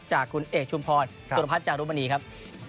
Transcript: จากคุณเอกชุมพรสุรพัฒนจารุมณีครับ